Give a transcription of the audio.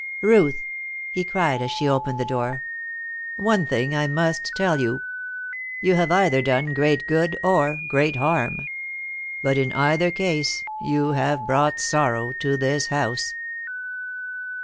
"Ruth," he cried as she opened the door, "one thing I must tell you. You have either done great good or great harm. But, in either case, you have brought sorrow to this house."